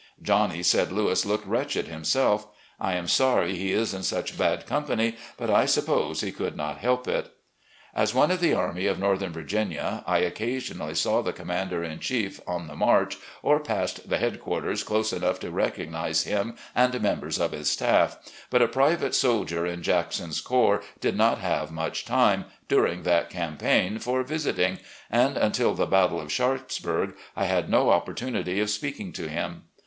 Johnny said Louis looked wretched himself. I am sorry he is in such bad company, but I suppose he could not help it." As one of the Army of Northern Virginia, I occasionally saw the commander in chief, on the march, or passed the headquarters close enough to recognise him and members of his staff, but a private soldier in Jackson's corps did not have much time, during that campaign, for visiting, and until the battle of Sharpsburg I had no opportunity *His nephew. 78 RECOLLECTIONS OP GENERAL LEE of speaking to him.